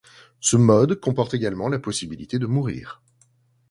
Ce mode comporte également la possibilité de mourir.